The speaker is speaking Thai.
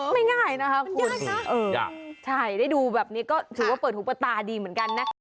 ง่ายนะคะคุณใช่ได้ดูแบบนี้ก็ถือว่าเปิดหูเปิดตาดีเหมือนกันนะ